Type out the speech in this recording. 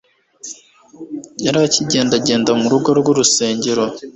Yari akigendagenda mu rugo rw'urusengero;